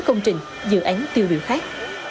ba mươi tám công trình dự án tiêu biểu khác